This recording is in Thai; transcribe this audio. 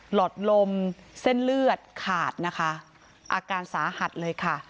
หลอดลมเส้นเลือดขาดนะคะอาการสาหัสเลยค่ะ